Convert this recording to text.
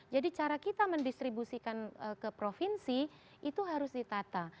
jadi cara kita mendistribusikan ke provinsi itu harus ditata